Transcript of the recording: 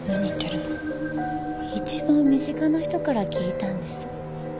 一番身近な人から聞いたんです。